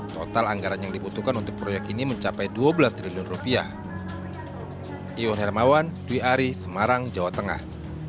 total anggaran yang dibutuhkan untuk proyek ini mencapai dua belas triliun rupiah